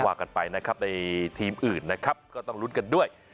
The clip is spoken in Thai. ว่ากันไปนะครับในทีมอื่นนะครับก็ต้องลุ้นกันด้วย